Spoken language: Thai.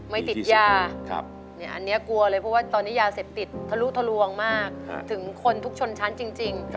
ไม่ติดยาอันนี้กลัวเลยเพราะว่าตอนนี้ยาเสพติดทะลุทะลวงมากถึงคนทุกชนชั้นจริง